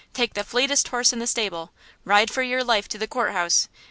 Take the fleetest horse in the stable! Ride for your life to the Court House!